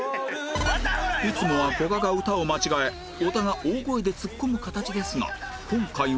いつもはこがが歌を間違え小田が大声でツッコむ形ですが今回は